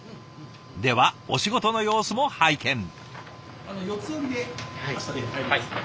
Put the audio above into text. ではお仕事の様子も拝見。